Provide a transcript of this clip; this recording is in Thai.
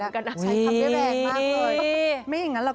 ใช้คำนี่แรงมากเลย